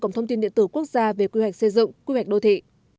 cổng thông tin điện tử quốc gia về quy hoạch xây dựng quy hoạch đô thị